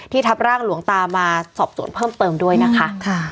ทับร่างหลวงตามาสอบสวนเพิ่มเติมด้วยนะคะ